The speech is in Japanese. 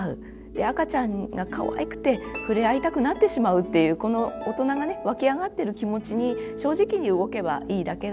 赤ちゃんがかわいくて触れ合いたくなってしまうっていうこの大人がね湧き上がってる気持ちに正直に動けばいいだけだと思います。